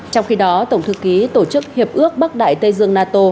trong khi đó tổng thư ký tổ chức hiệp ước bắc đại tây dương nato